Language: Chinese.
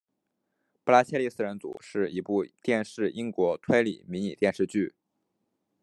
布莱切利四人组是一部电视英国推理迷你电视剧。